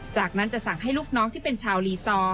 จากนั้นจะสั่งให้ลูกน้องที่เป็นชาวลีซอร์